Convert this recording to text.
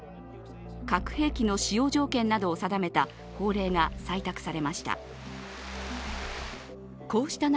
核兵器の使用条件などを定めた法令が採択されました。